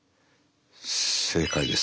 正解です。